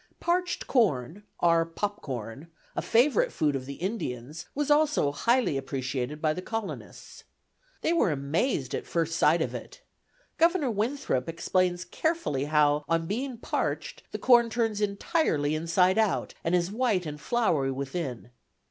Parched corn (our pop corn), a favorite food of the Indians, was also highly appreciated by the Colonists. They were amazed at first sight of it: Governor Winthrop explains carefully how, on being parched, the corn turns entirely inside out, and is white and floury within.